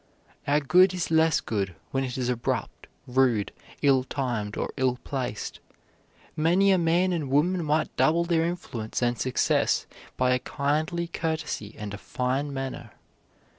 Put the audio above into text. Our good is less good when it is abrupt, rude, ill timed, or ill placed. Many a man and woman might double their influence and success by a kindly courtesy and a fine manner.